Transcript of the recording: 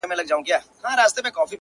په هینداره کي انسان ته،